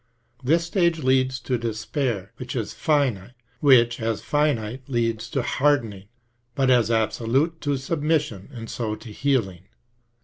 This stage leads to despair, which as finite leads to hardening, but as absolute to submission and so to healing.